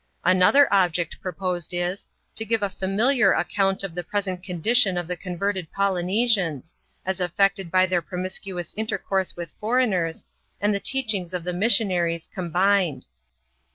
Another object proposed is, to give & familiar account of the present condition of the converted Polynesians, as affected by their promiscuous intercourse with foreigners, and the teachings of the missionaries, combined.